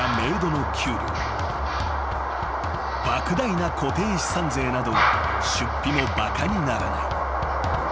［莫大な固定資産税など出費もバカにならない］